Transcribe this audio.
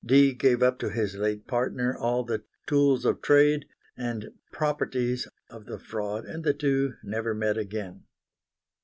Dee gave up to his late partner all the "tools of trade" and "properties" of the fraud, and the two never met again.